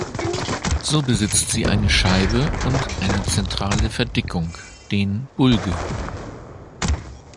So besitzt sie eine Scheibe und eine zentrale Verdickung (den Bulge).